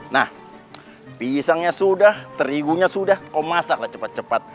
nah pisangnya sudah terigunya sudah kau masaklah cepat cepat